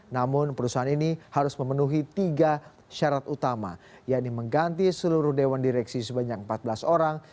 namun perusahaan ini harus memenuhi tiga syarat utama yaitu mengganti seluruh dewan direksi sebanyak empat belas orang